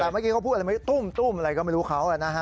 แต่เมื่อกี้เขาพูดอะไรตุ้มตุ้มอะไรก็ไม่รู้เขา